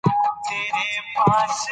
دوی به د ټولنې په ابادۍ کې برخه اخلي.